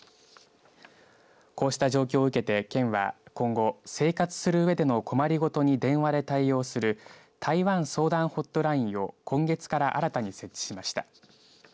こうした状況を受けて県は今後生活する上での困りごとに電話で対応する台湾相談ホットラインを今月から新たに設置しました。